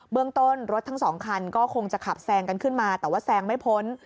เรื่องต้นรถทั้งสองคันก็คงจะขับแซงกันขึ้นมาแต่ว่าแซงไม่พ้น